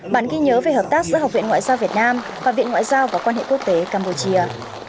bản ghi nhớ về hợp tác giữa học viện ngoại giao việt nam và viện ngoại giao và quan hệ quốc tế campuchia